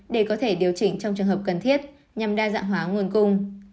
để có thể điều chỉnh trong trường hợp cần thiết nhằm đa dạng hóa nguồn cung